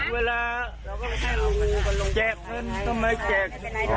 เวลาเราก็ให้รู้แจกเมินทำไมแจก